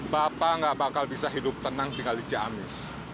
bapak nggak bakal bisa hidup tenang tinggal di ciamis